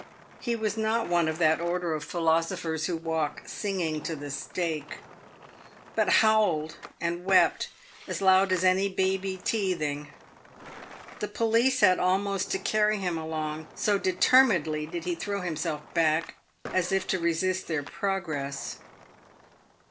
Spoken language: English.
He was not one of that order of philosophers who walk singing to the stake ; but howled and wept as loud as any baby teething. The policemen had almost to carry him along, so determinedly did he throw himself back, as if to resist their progress.